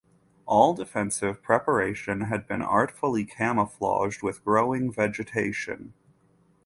All defensive preparation had been artfully camouflaged with growing vegetation.